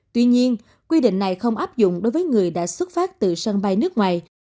tuy nhiên quy định này không áp dụng đối với người đã xuất phát từ sân bay nước ngoài